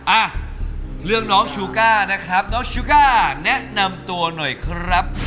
อ่ะเรื่องน้องชูก้านะครับน้องชูก้าแนะนำตัวหน่อยครับ